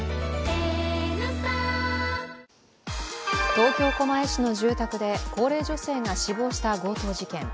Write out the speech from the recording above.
東京・狛江市の住宅で高齢女性が死亡した強盗事件。